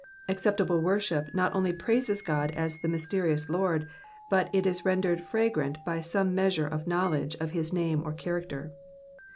Acceptable worship not only praises God as the mysterious Lord, but it is rendered fragrant by some measure of knowledge of his name or character.